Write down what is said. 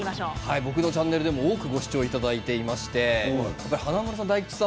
僕のチャンネルでも多くご視聴いただいていまして華丸さん、大吉さん